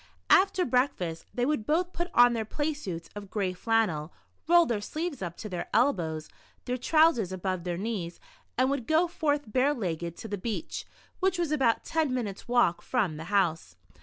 After breakfast, they would both put on their play suits of gray flannel, roll their sleeves up to their elbows, their trousers above their knees, and would go forth bare legged to the beach, which was about ten minutes' walk from the house.